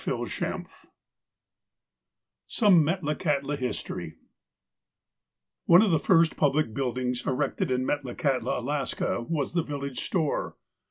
XXXVIII SOME METLAKAHTLA HISTORY ONE of the first public buildings erected in Metla kahtla, Alaska, was the village store.